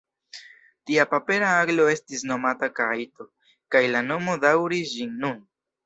Tia papera aglo estis nomata kajto, kaj la nomo daŭris ĝis nun.